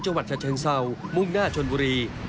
จังหวัดชะเชิงเศร้ามุ่งหน้าชนบุรี